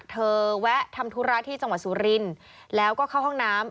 แวะทำธุระที่จังหวัดสุรินทร์แล้วก็เข้าห้องน้ำ